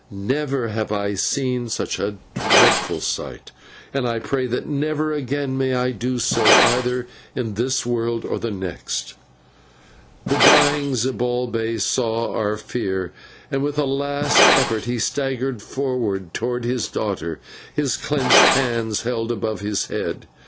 Never have I seen such a dreadful sight, and I pray that never again may I do so either in this world or the next. The dying Zibalbay saw our fear, and with a last effort he staggered forward towards his daughter, his clenched hands held above his head.